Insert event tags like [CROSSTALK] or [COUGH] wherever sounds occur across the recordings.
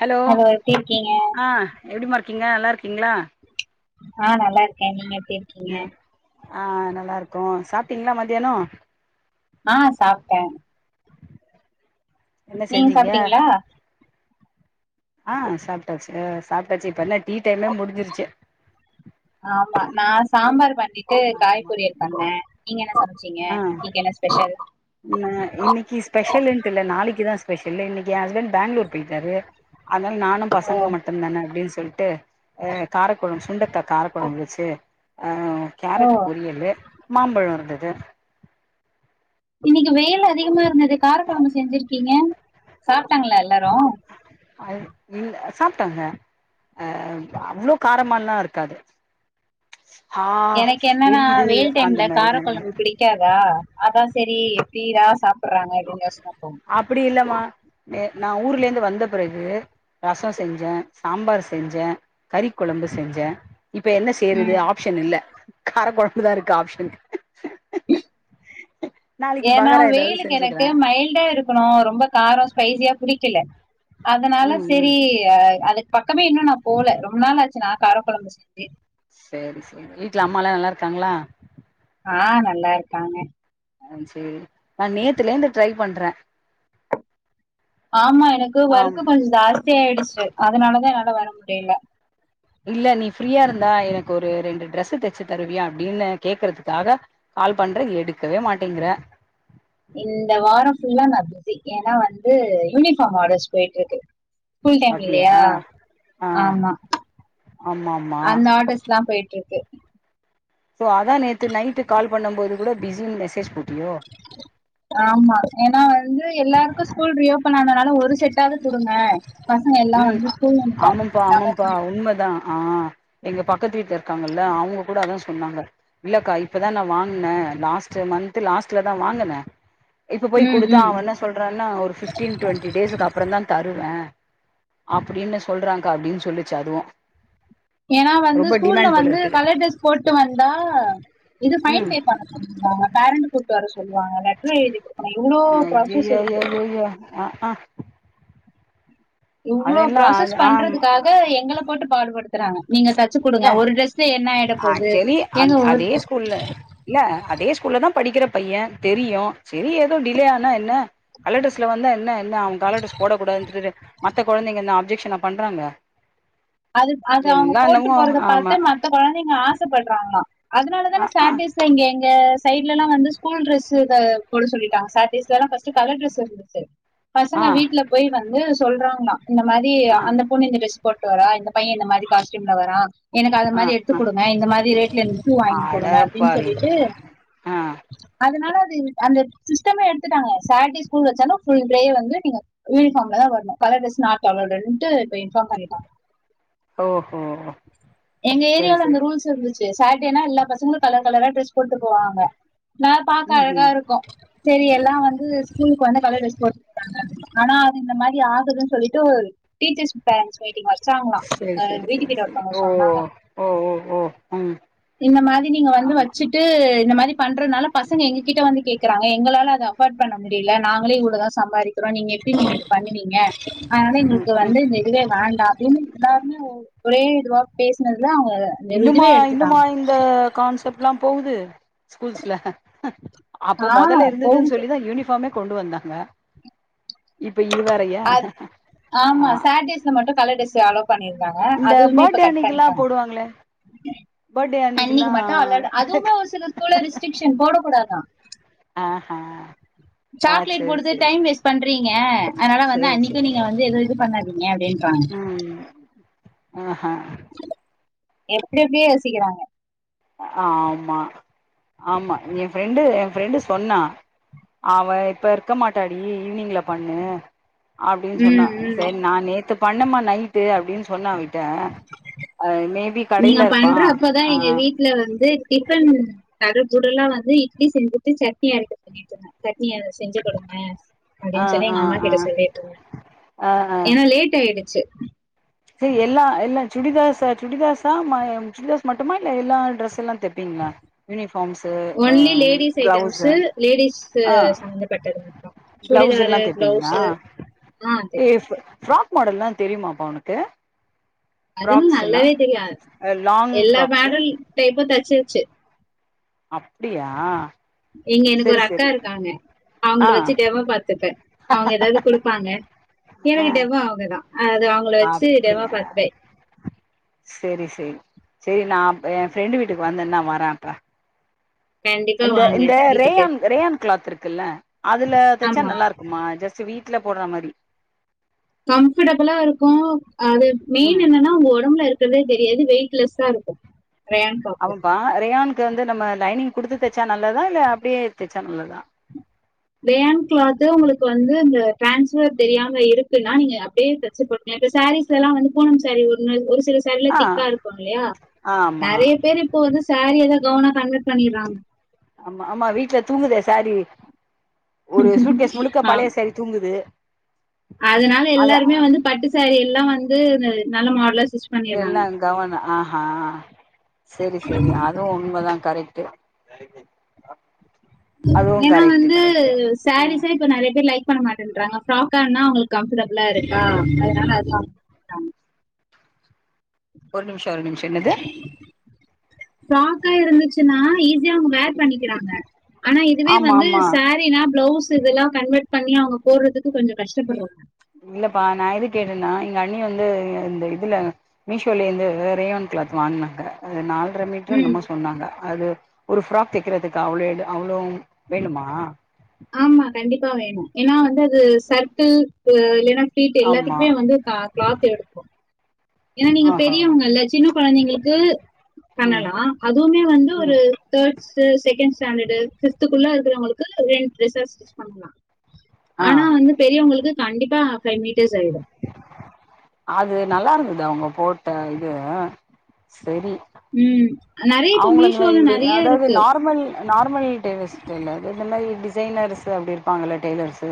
Hello எப்டி இருக்கீங்க ஆ எப்டிமா இருக்கீங்க நல்லா இருக்கீங்ளா ஆ நல்லா இருக்கே நீங்க எப்டி இருக்கீங்க எ ஆ நல்லா இருக்கோ சாப்ட்டீங்ளா மத்தியானோ ஆ சாப்ட்டே என்ன நீங் செஞ்சீங்க சாப்ட்டீங்களா ஆ சாப்ட்டாச்சு ஆ சாப்ட்டாச்சு இப்ப என்ன டீ டைமே முடிஞ்சிருச்சு நா சாம்பார் பண்ணி ட்டு ஆமா காய்பொறியல் பண்ணே நீங்க என்ன சமச்சீங்க ஆ இன்னிக்கு என்ன ஸ்பெஷல் நா இன்னிக்கி ஸ்பெஷல்ன்ட்டு இல்ல நாளைக்குதா ஸ்பெஷல் இன்னிக்கி என ஹஸ்பண்ட் பேங்ளூர் போயிட்டாரு அதனால நானு ஓ பசங்க மட்டுதான அப்டின் சொல்ட்டு அ காரக்கொழம் சுண்டக்கா காரக்கொழம்பு வெச்சு அ ஓ கேரட்டு பொரியலு மாம்பழ இருந்தது இன்னிக்கு வெயில் அதிகமா இருந்தது காரக் கொழம்பு செஞ்சுருக்கீங்க சாப்ட்டாங்களா எல்லாரு அது இல்ல சாப்ட்டாங்க அ அவ்ளோ காரமால்லா இருக்காது ஹா எனக்கு எரியுது அந்த மாரிலால்ல கேவா அதான் செரி எப்டிதா சாப்பறாங்க [INAUDIBLE] அப்டி இல்லமா எ நா ஊர்ல இருந்து வந்த பிறகு ரசம் செஞ்சேன் சாம்பார் செஞ்சேன் கறிக் கொழம்பு செஞ்சேன் இப்ப என்ன செய்யறது ம் ஆப்ஷன் இல்ல காரக் கொழம்பு தா இருக்கு ஆப்ஷன் நாளைக்கு ஏனா பகாரா ஏதாவது வெயிலுக்கு செஞ்சுக்கிறே எனக்கு மயில் டா இருக்கனும் ரொம்ப காரம் ஸ்பைசியா புடிக்கல அதனால ம் ம் செரி அது பக்கமே இன்னும் நா போல ரொம்ப நாளாச்சி நா காரக்கொழம்பு செஞ்சே செரி செரி வீட்ல அம்மா லா நல்லா இருக்காங்களா ஆ நல்லா இருக்காங்க ஆ சேரி நா நேத்துல இருந்து ட்ரை பண்றன் ஆமா எனக்கு ஆம் வொர்க்கு கொஞ்சம் ஜாஸ்தியா ஆயிடுச்சி அதனாலதா என்னால வர முடியில இல்ல நீ ஃப்ரீயா இருந்தா எனக்கு ஒரு ரெண்டு டிரெஸ்ஸு தச்சி தருவியா அப்டின்னு கேக்கறதுக்காக கால் பண்றன் எடுக்கவே மாட்டேங்கிற இந்த வாரம் ஃபுல்லா நா பிஸி ஏனா வந்து யூனிஃபார்ம் ஆடர்ஸ் போயிட்டு இருக்கு ஸ்கூல் டைம் அப்டியா இல்லையா ஆ ஆமா ஆமா ஆமா அந்த ஆடர்ஸ்லாம் போயிட்டுருக்கு சோ அதா நேத்து நைட்டு கால் பண்ணம்போது கூட பிஸின் மெசேஜி போட்டியோ ஆமா ஏனா வந்து எல்லாருக்கும் ஸ்கூல் ரீ ஓபன் ஆனனால ஒரு செட்டாது குடுங்க பசங்க எல்லாம் வந்து ஸ்கூல் யூனிபார்ம் நாங்க [INAUDIBLE] உண்ம தா ஆ எங்க பக்கத்து வீட்ல இருக்காங்க இல்ல அவங்க கூட அதா சொன்னாங்க இல்லக்கா இப்பதா நா வாங்கனன் லாஸ்ட்டு மன்த்து லாஸ்ட்ல தா வாங்கனன் இப்போ போய் ம் குடுத்தா ம் அவன் என்ன சொல்றான்னா ஒரு பிப்டீன் டொண்ட்டி டேஸ்க்கு அப்புறம் தா தருவன் அப்டின்னு சொல்றாங்க்கா அப்டின் சொல்லிச்சி அதுவும் ஏனா வந்து ஸ்கூல்ல வந்து இருக்குது கலர் ட்ரஸ் போட்டு வந்தா இது ஃபைன் ம் பே பண்ண னுவாங்க பேரண்ட் கூட்டு வர சொல்லுவாங்க லெட்டரும் எழுதிட்டு நம்ம இவ்ளோ ப்ராசஸ் இருக்கு ஆஹ இவ்ளோ அதெல்லா ப்ராசஸ் அது ஆம் பண்றதுக்காக எங்கள போட்டுப் பாடுபடுத் தறாங்க நீங்க தச்சி இல்ல குடுங்க ஒரு டிரஸ்ல என்ன ஆயிட போது ஆக்சுவலி அந் ஏங்க உங்க அதே ஸ்கூல்ல இல்ல அதே ஸ்கூல்ல தா படிக்கிற பையன் தெரியும் செரி ஏதோ டிலே ஆனா என்ன கலர் டிரஸ்ல வந்தா என்ன இல்ல அவன் கலர் டிரஸ் போடக்கூடாது மத்த கொழந்தைங்க என்னா அப்ஜெக்ஷனா பண்றாங்க அது அது அவங்க எல்லா போட்டு என்னமோ போறத பாத்து ஆமா மத்த கொழந்தைங்க ஆசப்படறாங்களாம் அதுனாலதான ஆ ஆ சாட்டேஸ் ஸல இங்க எங்க சைட்ல எல்லா வந்து ஸ்கூல் டிரஸ்ஸு க போட சொல்லிட்டாங்க சாட்டேஸ்லலாம் பஸ்ட்டு கலர் டிரஸ் ஆ பசங்க வீட்ல போயி வந்து சொல்றாங்களா இந்த மாரி ஆ அந்த பொண்ணு இந்த டிரஸ் போட் சுவரா இந்த பையன் இந்த மாரி காஸ்டியூம்ல வரா எனக்கு அது மாரி எடுத்து ஆ குடுங்க இந்த மாரி ரேட்ல எனக்கு ஷூ ஆ வாங்கி குடுங்க அப்டின் சொல்லிட்டு அடப்பாவிங்களா ஆ அதனால அது அந்த சிஸ்டமே எடுத்துட்டாங்க சாட்டே ஸ்கூல் வச்சாலு ஃபுல் டே வந்து நீங்க யூனஃபார்ம்ல தா வரனும் கலர் டிரஸ் நாட் அளோடுன்ட்டு இப்ப இன்பாம் பண்ணிட்டாங்க ஓஹோ எங்க செரி ஏரியால அந்த செரி ரூல்ஸ் இருந்துச்சி டு சாட்டேனா எல்லா பசங்களும் கலர் கலரா டிரஸ் போட்டு போவாங்க நா பாக்க ம் அழகா ம் இருக்கும் சேரி எல்லா வந்து ஸ்கூலுக்கு வந்தா கலர் டிரஸ் போட்டு போறாங்க ஆனா அது இந்த மாரி ஆகுதுன்னு சொல்லிட்டு ஒரு டீச்சர்ஸ் பேரண்ஸ் மீட்டிங் வச் சாங்களா செரி எங்க செரி செரி வீட்டுக்கிட்ட செரி ஒருத்தவங்க ஓ சொன்னாங்க ஓ ஓ ஓ ம் இந்த மாதிரி நீங்க வந்து ஆமா வச்சு ட்டு இந்த மாரி பண்றதுனால பசங்க எங்க கிட்ட வந்து கேக்றாங்க எங்களால அத அஃபர்ட் பண்ண முடில நாங்களே இ்வ்ளோ தா சம்பாதி க்கிறோ நீங்க எப்டி நீங்க பண்ணுவீங்க அதனால ம் எங்களுக்கு ம் வந்து இதுவே வேண்டா அப்டின்னு எல்லார்மே ஒரே இதுவா பேசுனதுல அவங்க இந்த இன்னுமா இதுவே இன்னுமா எடுத்துட்டாங்க இந்த கான்சப்ட்லா போகுது ஸ்கூல்ஸ்ல அப்ப ஆ மொதல்ல இருந்ததுன்னு போகுது சொல்லிதா யூனிஃபார்மே கொண்டு வந்தாங்க இப்ப இது வேரயா அ ஆமா ஆ சாட்டர்டேஸ்ல மட்டும் கலர் ட்ரெஸ் அலோ பண்ணிருக்தாங்க இந்த அதுவுமே இப்ப பர்த்டே கட் அன்னைக்குல்லா பண்ணிட்டாங்க போடுவாங்களே பர்த்டே அன்னைக்குல்லா அன்னிக்கு மட்டு அலோட் அதுவுமே ஒரு சில ஸ்கூல்ல ரெஸ்ட்ரிக்ஷன் போடக் கூடாதா ஆஹா ஆ சாக்லேட் சேரி கொடுத்து சேரி டைம் வேஸ்ட் பண்றீ ங்க அதுனால வந்து சேரி சேரி அன்னிக்கும் நீங்க வந்து எது இது பண்ணாதீங்க அப்டின்றாங்க ம் ஆ எப்டி எப்டியே யோசிக்கிறாங்க ஆமா ஆமா எய ஃப்ரெண்டு எய ஃப்ரெண்டு சொன்னா அவ இப்ப இருக்க மாட்டாடி ஈவினிங்ல பண்ணு அப்டின்னு சொன்னா உம் உம் சேரி நா நேத்து பண்ணமா நைட்டு அப்டின்னு சொன்னாட் ட அ மேபி கடையில இருப்பா ஆ ல வந்து டிஃபன் தடபுடல்லா வந்து இட்லி செஞ்சுட்டு சட்னி அரைக்க சொல்லிட்டு இருந்த சட்னி எனக்கு செஞ்சு குடுங்க ஆ அப்டின்னு சொல்லி ஆ எங்க அம்மா ஆ கிட்ட சொல்லிட்டுருந்த ஆ ஏன்னா லேட் ஆயிடுச்சு சேரி எல்லா எல்லா சுடிதாசா சுடிதாஸா சுடிதாஸ் மட்டுமா இல்ல எல்லா ட்ரெஸ் எல்லா தப்பீங்களா யூனிஃபார்ம்ஸ் அ only ladies blouse items ladies ஆ சம்பந்தப்பட்டது மட்டும் பிளவுஸ் சுடிதாரு எல்லா தப்பீங்க பிளவுஸ் ளா ஆ தெ- [UNINTELLIGIBLE] ஃப்ராக் மாடல்லா தெரியுமாப்பா உனக்கு அதுன்னும் ஃப்ராக்ஸ் எல்லா நல்லாவே தெரியு லாங் எல்லா ஃப்ராக்ஸு பேடல் டைப்பும் தச்சிருச்சு அப்டியா இங்க எனக்கு சரி ஒரு அக்கா சரி இருக்காங்க அவங்கள ஆ வச்சு டெமோ பாத்துப்ப அவங்க ஏதாவது கொடுப்பாங்க எனக்கு டெமோ அவங்க தா அது அவங்கள வச்சு டெமோ பாத்துப்ப செரி செரி செரி நா அப் எய ஃப்ரெண்டு வீட்டுக்கு வந்தன்னா வர அப்ப கண்டிப்பா இந்த வாங்க இந்த வீட்டுக்கு ரேயான் ரேயான் கிளாத் இருக்குல்ல அதுல தைச்சா ஆமா நல்லா இருக்கு மா ஜஸ்ட் வீட்ல போடுற மாதிரி கம்ஃபர்ட்டபுளா இருக்கும் அது மெயின் ம் என்னன்னா உங்க உடம்புல இரு இருக்கிறதே தெரியாது வெயிட்லெஸ்ஸா இருக்கும் ரேன் காப்பு ஆமாப்பா ரேயான்கு வந்து நம்ம லைனிங் குடுத்து தைச்சா நல்லதா இல்ல அப்டியே தைச்சா நல்லதா ரேயான் கிளாத்து உங்களுக்கு வந்து இந்த டிரான்ஸ்பர் தெரியாம இருக்குன்னா நீங்க அப்டியே தச்சு இப்ப சாரீஸ் எல்லா வந்து பூனம் சாரிஸ் ஒன்னு ஒரு சில சா சரியில ஆ திக்கா இருக்கும் இல்லயா ஆமா நெறைய பேர் இப்ப வந்து சாரி எல்லா கவுனா கன்வெர்ட் பண்ணிறாங்க ஆமா ஆமா வீட்டுல தூங்குதே சாரீ ஒரு சூட் கேஸ் முழுக்க ஆம், பழைய சாரீ தூங்குது அதனால அத எல்லாருமே வந்து பட்டு சாரி எல்லா வந்து நல்ல மாடலா பண்ணிடுறாங்க எல்லா கவுணா ஆஹ் அஹ் செரி செரி அதுவும் உன்மதா கரெக்ட்டு அதுவு ஏன்னா கரெக்ட்டு வந்து கரெக்ட்டு ஆ சாரிஸ் சே இப்ப நெறைய பேர் லைக் பண்ண மாட்டன்றாங்க ஃப்ராக்கா ஆனா அவங்களுக்கு கம்ஃபர்டபிளா இருக்கா அதனால தா ஒரு நிமிஷ ஒரு நிமிஷ என்னது ஃபிராக்கா இருந்துச்சுன்னா ஈஸியா அவங்க வேர் பண்ணிக்கிறாங்க ஆனா இதுவே ஆமா வந்து ஆமா சா ரீன்னா பிளவுஸ் இதெல்லா கன்வெர்ட் பண்ணி அவங்க போடுறதுக்கு கொஞ்சோ கஷ்டப்பட்றாங்க இல்லப்பா நா எதுக்கு கேட்டேன்னா எங்க அண்ணி வந்து ய இந்த இதுல மீஷோல இருந்து ரேயான் கிளாத் வாங்குனாங்க அது நால்ர மீட்ரோ ம் என்னமோ சொன்னாங்க அது ஒரு ஃபிராக் தைக்கிறதுக்கு அவ்ளோ இது அவ்ளோ வேணுமா ஆமா கண்டிப்பா வேணு ஏன்னா வந்து அது சர்க்கிள் க்கு இல்லைன்னா ஃபீட்டு ஆமா எல்லாத்துக்குமே வந்து கா கிளாத் எடுக்கு ஏன்னா நீங்க ஆஹா பெரியவங்க இல்ல சின்ன கொழந்தைங்களுக்கு ம் பண்ணலா அதுவுமே வந்து ஒரு ம் தேர்ட் ஸ்ட்டு செகண்ட் ஸ்டாண்டர்டு ஃபிஃப்த்துக்குள்ள இருக்கிறவங்களுக்கு ரெண்டு டிரெஸ்ஸா ஸ்டிச் பண்லா ஆ ஆனா வந்து பெரியவங்களுக்கு கண்டிப்பா ஃபைவ் மீட்டர்ஸ் ஆயிடு அது நல்லா இருந்துதா அவங்க போட்ட இது செரி ம் நெறைய இப்ப மீஷோல நெறைய இருக்கு அ நார்மல் டெய்லர்ஸ்கிட்ட இல்ல இது இந்த மாரி டிசைனர்ஸு அப்டி இருப்பாங்கல்ல டெய்லர்ஸு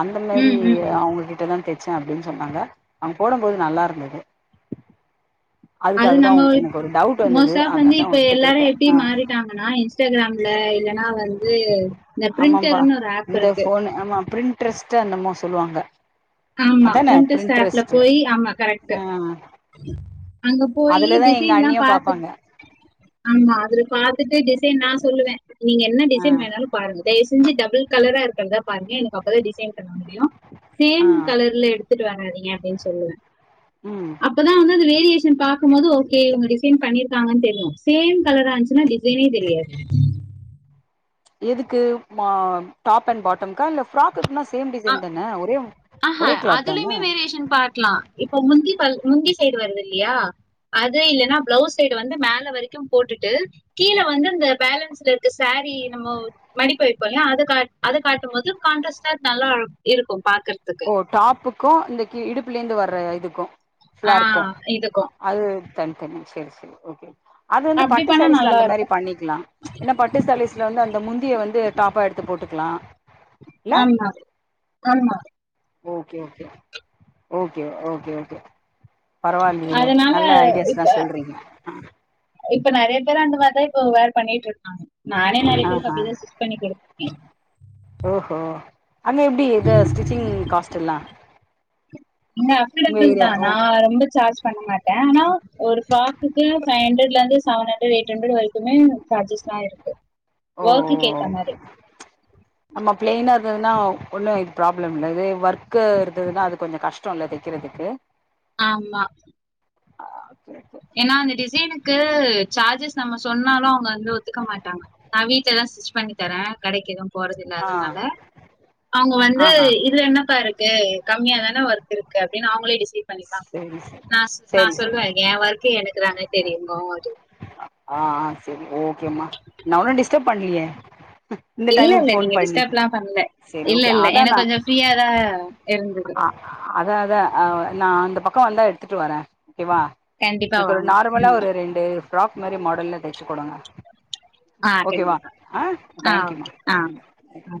அந்த மாரி ம் ம் ம். அவங்ககிட்டதா தெச்சே அப்டின் சொன்னாங்க அவங்க போடும்போது நல்லா இருந்தது அதுக்காகதா உங் எனக்கு ஒரு டவுட் வந்தது அதா இல்ல எல்லாரு எப்டி மாறிட்டாங்கன்னா இன்ஸ்டாகிராம்ல இல்லன்னா வந்து இந்த ஆமாம்பா பிரிண்டர்ன்னு ஒரு ஆப் இந்த இருக்கு ஃபோன் ஆமா பிரிண்ட்ரெஸ்ட்டோ என்னமோ சொல்லுவாங்க ஆமா பிரிண்ட்ரெஸ்ட் ஆப்ல போயி ஆமா கரெக்ட்டு ஆ அங்க போயி அதுலதா எங்க டிசைன்லா அண்ணியு பாத்து பாப்பாங்க ஆமா அதுல பாத்துட்டு டிசைன் நா சொல்லுவே நீங்க என்ன ஆ டிசைன் வேண்ணாலு பாருங்க தயவு செஞ்ச டபுள் கலரா இருக்கறதா பாருங்க எனக்கு அப்பதா டிசைன் பண்ண முடியு ஆ சேம் கலர்ல எடுத்துட்டு வராதீங்க அப்டின்னு சொல்லுவே ம் அப்பதா வந்து அந்த வேரியேஷ ன் பாக்கும்போது ஓகே இவங்க டிசைன் பண்ணிருக்காங்கன்னு தெரியு சேம் கலரா வந்த்ச்சுனா டிசைனே தெரியாது எதுக்கு மா டாப் அண்ட் பாட்டம்க்கா இல்ல ஃபிராக்குக்னா சேம் டிசைன்தான ஒரே ஆஹா ஒரே கிளாத் தான அதுலயுமே வேரியேஷன் பாக்லா இப்ப முந்தி பா முந்தி சைடு வருது இல்லையா அது இல்லைன்னா பிளவுஸ் சைடு வந்து மேல வரைக்கு போட்டுட்டு கீழ வந்து இந்த பேலன்ஸ்ல இருக்க சாரீ நம்மோ மடிப்பு வைப்போ இல்லயா அது கா அது காட்டும் போது கான்ட்ராஸ்ட்டா நல்லா இருக்கு பாக்கற ஒ டாப்புக்கு இந்த கி இடுப்புல இருந்து வர்ற இதுக்கு ஆ ஃப்ளார்க்கு இதுக்கும். அது தனி தனியா சேரி சேரி ஓகேம்மா அது வந்து அப்படி பட்டு பண்ணா சாரீஸ்ல நல்லா அந்த மாரி இருக்கும். பண்ணிக்லா ஏன்னா பட்டு சாரீஸ்ல வந்து அந்த முந்திய வந்து டாப்பா எடுத்து போட்டுக்கலா இல்ல ஆமா ஆமா okay okay okay okay okay பரவால்லயே அதனால நல்ல ஐடியாஸ்லா இப்ப சொல்றீங்க இப்ப நெறைய பேரு அந்த மாரிதா இப்ப வேர் பண்ணிட்ருக்காங்க நானே நெறைய பேருக்கு ஆஹா அப்டிதா ஸ்டிச் பண்ணி குடுத்துருக்கே ஓஹோ அங்க எப்டி இது ஸ்டிச்சிங் காஸ்ட் எல்லா இங்க உங்க அஃபோர்டபிள்தா ஏரியா ஓ நா ரொம்ப சார்ஜ் பண்ண மாட் டே ஆனா ஒரு ஃப்ராக்குக்கு ஃபைவ் ஹண்ட்ரட்ல இருந்து செவன் ஹண்ட்ரட் எயிட் ஹண்ட்ரட் வரைக்குமே சார்ஜஸ்லா இருக்கு ஓ வொர்க்குக்கு ஏத்தா மாரி ஓகே ஆமா பிளெய்னா இருந்ததுன்னா ஒன்னு இது ப்ராப்ளம் இல்ல இதே ஒர்க்கு இருந்ததுன்னா அது கொஞ்சோ கஷ்டோ இல்ல தைக்கிறதுக்கு ஆமா ஆ ஓகே ஓகே ஏன்னா அந்த டிசைனுக்கு சார்ஜஸ் நம்ம சொன்னாலு அவங்க வந்து ஒத்துக்க மாட்டாங்க நான் வீட்லதான் ஸ்டிச் பண்ணி தரேன் கடைக்கு எதும் போறதல ஆ அதுனால அவுங்க வந்து ஆஹா இதுல என்னப்பா இருக்கு கம்மிய தானே ஒர்க் இருக்கு அப்டின்னு அவுங்களே டிசைட் பண்ணிப்பாங்க சேரி சேரி சேரி நான் சேரி சொல்வேன் என் ஒர்க் எனக்குதானே தெரியும் ஆ ஹ செரி ஓகேம்மா நான் ஒன்னும் டிஸ்டர்ப் பண்ணலியே இல்ல இல்ல நீங்க டிஸ்டர்ப்லாம் பண்ணல சேரி இல்ல ஓகே இல்ல அதா எனக்கு கொஞ்சம் ஃப்ரீயாதான் இருந்தது அதான் அதான் நான் அந்த பக்கம் வந்தா எடுத்துட்டு வரேன் ஓகே வா கண்டிப்பா எனக்கு ஒரு வாங்க நார்மலா ம் ஒரு ரெண்டு ஃப்ராக் மாரி மாடல்ல தெச்சு குடுங்க ஆ ஓகே வா கண்டிப்பா ஆ ஆ தேங்க்யூமா ஓகே ஆ ஆ